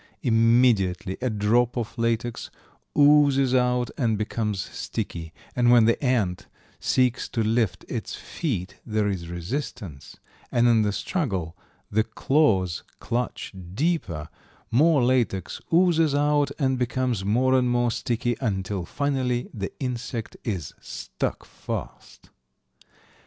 Immediately a drop of latex oozes out and becomes sticky, and when the ant seeks to lift its feet there is resistance, and in the struggle the claws clutch deeper, more latex oozes out and becomes more and more sticky, until finally the insect is stuck fast.